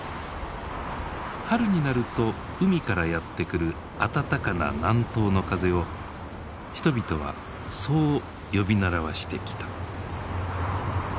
春になると海からやって来る暖かな南東の風を人々はそう呼び習わしてきた。